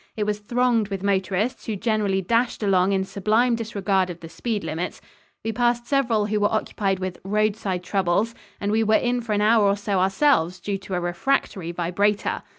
It was thronged with motorists who generally dashed along in sublime disregard of the speed limits. We passed several who were occupied with "roadside troubles" and we were in for an hour or so ourselves, due to a refractory "vibrator."